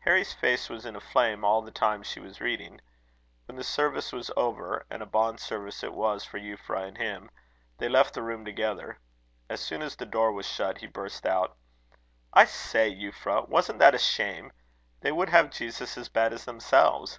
Harry's face was in a flame all the time she was reading. When the service was over and a bond service it was for Euphra and him they left the room together. As soon as the door was shut, he burst out: "I say, Euphra! Wasn't that a shame? They would have Jesus as bad as themselves.